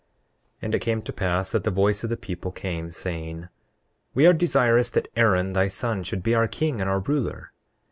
29:2 And it came to pass that the voice of the people came, saying: We are desirous that Aaron thy son should be our king and our ruler.